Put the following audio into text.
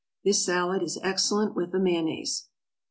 This salad is excellent with a Mayonnaise.